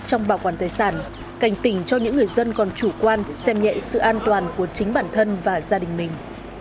cảnh tình cho những người dân còn chủ quan xem nhẹ sự an toàn của chính bản thân và gia đình mình